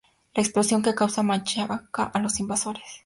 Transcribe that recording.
La explosión que causa machaca a los invasores.